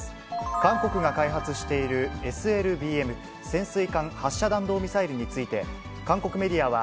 韓国が開発している、ＳＬＢＭ・潜水艦発射弾道ミサイルについて、韓国メディアは、